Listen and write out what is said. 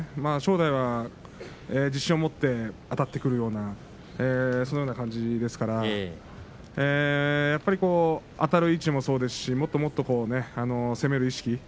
正代は自信を持ってあたってくるようなそのような感じですからやっぱりあたる位置もそうですしもっともっと攻める意識